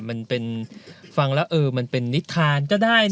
มันเป็นฟังแล้วเออมันเป็นนิทานก็ได้